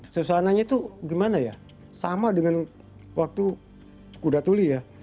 susahannya tuh gimana ya sama dengan waktu kudatuli ya